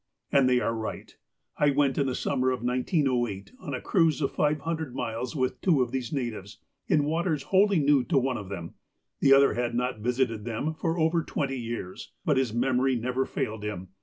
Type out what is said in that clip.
And they are right. I went in the Summer of 1908 on a cruise of five hun dred miles with two of these natives, in waters wholly new to one of them. The other had not visited them for over twenty years. But his memory never failed him.